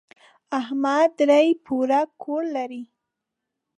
احمد درې پوړه کور لري.